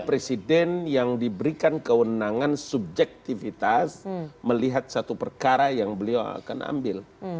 presiden yang diberikan kewenangan subjektivitas melihat satu perkara yang beliau akan ambil